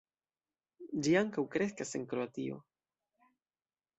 Ĝi ankaŭ kreskas en Kroatio.